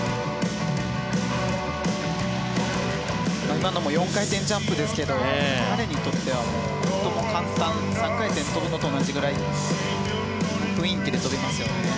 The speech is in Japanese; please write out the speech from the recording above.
今のも４回転ジャンプですけど彼にとってはとても簡単３回転跳ぶのと同じ雰囲気で跳べますよね。